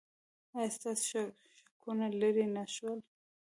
ایا ستاسو شکونه لرې نه شول؟